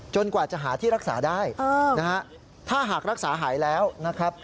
กว่าจะหาที่รักษาได้นะฮะถ้าหากรักษาหายแล้วนะครับ